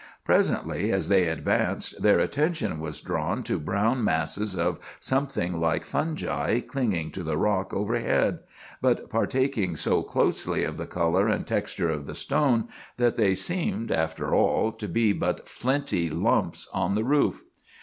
Presently, as they advanced, their attention was drawn to brown masses of something like fungi clinging to the rock overhead, but partaking so closely of the color and texture of the stone that they seemed, after all, to be but flinty lumps on the roof.